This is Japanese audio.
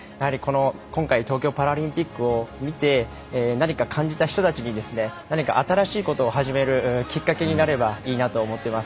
今回東京パラリンピックを見て何か感じた人たちに何か新しいことを始めるきっかけになればいいなと思っています。